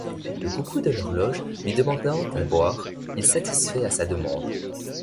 Le coucou de l'horloge lui demandant à boire, il satisfait à sa demande.